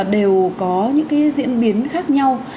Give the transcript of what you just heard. đều có những cái diễn biến khác nhau